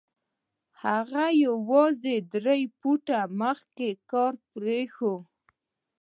هغه يوازې درې فوټه مخکې کار پرېښی و.